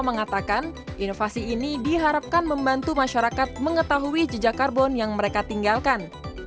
mengatakan inovasi ini diharapkan membantu masyarakat mengetahui jejak karbon yang mereka tinggalkan